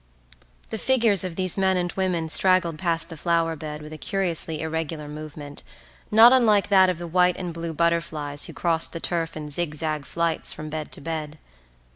The figures of these men and women straggled past the flower bed with a curiously irregular movement not unlike that of the white and blue butterflies who crossed the turf in zig zag flights from bed to bed.